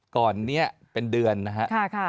ก่อนนี้เป็นเดือนนะครับ